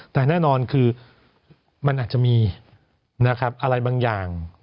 แต่แน่นอนคือมันอาจจะมีอะไรบางอย่าง